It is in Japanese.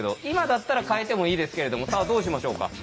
今だったら変えてもいいですけれどもさあどうしましょうか。